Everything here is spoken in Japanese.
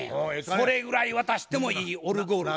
それぐらい渡してもいいオルゴール。